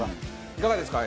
いかがですか？